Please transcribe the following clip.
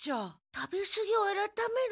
食べすぎをあらためる？